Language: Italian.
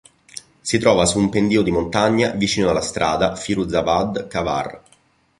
Si trova su un pendio di montagna vicino alla strada Firuzabad-Kavar.